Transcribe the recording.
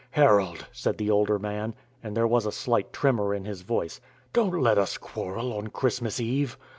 "Harold," said the older man (and there was a slight tremor in his voice), "don't let us quarrel on Christmas Eve.